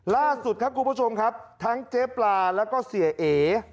ล่าสุดครับคุณผู้ชมครับทั้งเจ๊ปลาแล้วก็เสียเอ